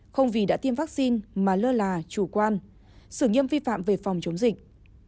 không vì đã tiêm vaccine mà lơ là chủ quan xử nghiêm vi phạm về phòng chống dịch